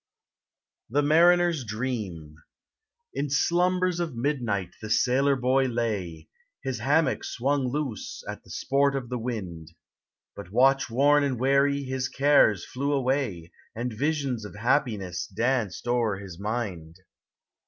THE MARINER'S DREAM. In slumbers of midnight the sailor boy lay; ilis hammock swung loose at the sport of the wind; But watch worn and weary, his cares flew away, And visions of happiness danced o'er his mind.